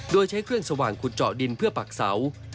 โดยใช้เครื่องสว่างขุดเจาะดินเพื่อปักเสา